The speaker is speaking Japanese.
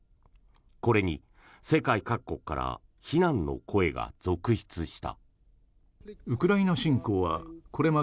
これに世界各国から非難の声が続出した。